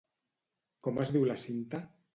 Com es diu la cinta?